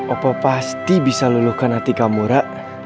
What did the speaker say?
opo pasti bisa luluhkan hati kamu rara